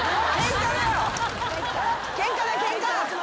ケンカだケンカ！